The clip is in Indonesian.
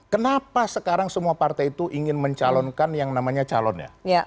kenapa sekarang semua partai itu ingin mencalonkan yang namanya calonnya